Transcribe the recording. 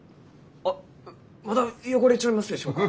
あっまだ汚れちょりますでしょうか？